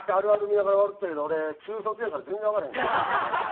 見ながら笑ってたけど俺中卒やから全然わからへんねん。